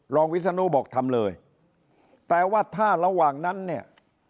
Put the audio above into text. วิศนุบอกทำเลยแต่ว่าถ้าระหว่างนั้นเนี่ย